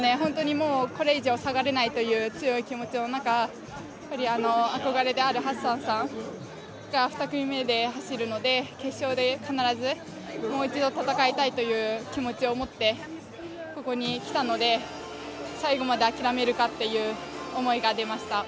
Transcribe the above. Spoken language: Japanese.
これ以上下がれないという強い気持ちの中憧れであるハッサンさんが２組目で走るので決勝で必ず、もう一度戦いたいという気持ちを持ってここに来たので、最後まであきらめるかっていう思いがありました。